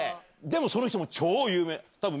でもその人も超有名多分。